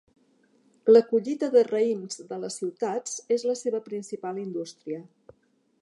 La "Collita de raïms" de les ciutats és la seva principal indústria.